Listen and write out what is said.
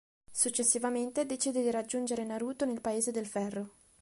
Successivamente decide di raggiungere Naruto nel Paese del Ferro.